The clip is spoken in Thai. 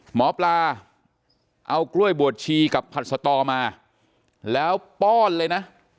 หมอปลาเอากล้วยบวชชีกับผัดสตอมาแล้วป้อนเลยนะ